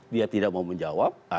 dia tidak mau menjawab